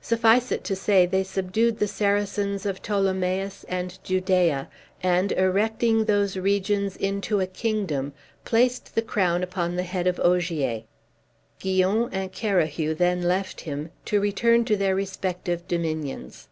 Suffice it to say, they subdued the Saracens of Ptolemais and Judaea, and, erecting those regions into a kingdom, placed the crown upon the head of Ogier. Guyon and Carahue then left him, to return to their respective dominions.